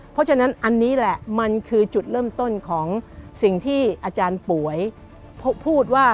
เพราะฉะนั้นอันนี้แหละมันคือจุดเริ่มต้นของสิ่งที่อาจารย์ป่วยพูดว่า